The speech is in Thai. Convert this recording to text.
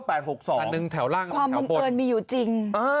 ความมุมเกินมีอยู่จริง